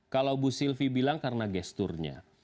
kalau bu sylvie bilang karena gesturnya